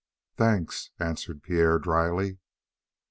"Thanks," answered Pierre dryly.